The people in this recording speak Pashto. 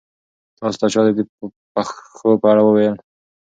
تاسو ته چا د دې پېښو په اړه وویل؟